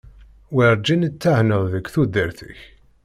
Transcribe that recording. Werǧin i thennaḍ deg tudert-ik.